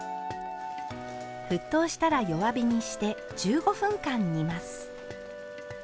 沸騰したら弱火にして１５分間煮ます。